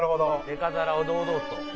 「でか皿を堂々と」